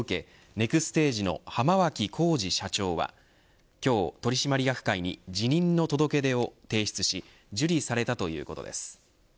ネクステージの浜脇浩次社長は今日、取締役会に辞任の届け出を提出し受理されたということです。